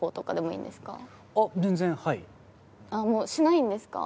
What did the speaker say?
しないんですか？